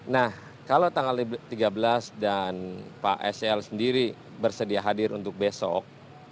nah kalau tanggal tiga belas dan pak sel sendiri bersedia hadir untuk besok